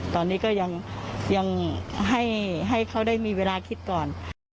ตอนนี้ก็ยังให้เขาได้มีเวลาคิดก่อน